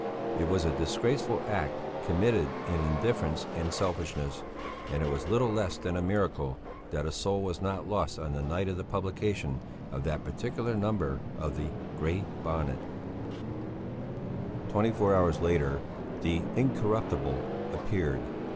It was a disgraceful act, committed in indifference and selfishness; and it was little less than a miracle that a soul was not lost on the night of the publication of that particular number of the Grey Bonnet. Twenty four hours later the Incorruptible appeared.